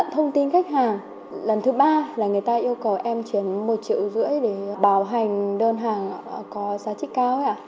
thông tin khách hàng lần thứ ba là người ta yêu cầu em chuyển một triệu rưỡi để bảo hành đơn hàng có giá trích cao